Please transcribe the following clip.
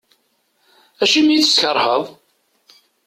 Acimi i tt-tkerheḍ?